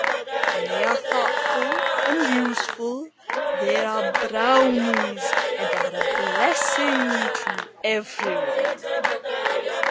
When they are thoughtful and useful, they are brownies, and are a blessing to every one."